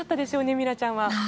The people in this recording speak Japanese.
ミラちゃん。